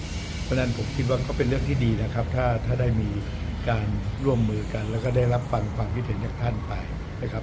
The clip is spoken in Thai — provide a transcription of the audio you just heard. เพราะฉะนั้นผมคิดว่าก็เป็นเรื่องที่ดีนะครับถ้าได้มีการร่วมมือกันแล้วก็ได้รับฟังความคิดเห็นจากท่านไปนะครับ